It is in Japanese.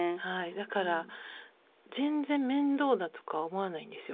だから全然面倒だとか思わないんですよ。